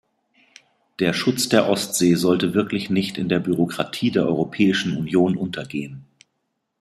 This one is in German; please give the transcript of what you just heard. Der Schutz der Ostsee sollte wirklich nicht in der Bürokratie der Europäischen Union untergehen.